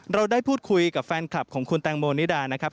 เราได้พูดคุยกับแฟนคลับของคุณแตงโมนิดานะครับ